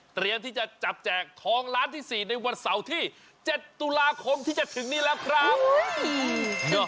เตรียมที่จะจับแจกทองล้านที่๔ในวันเสาร์ที่๗ตุลาคมที่จะถึงนี้แล้วครับ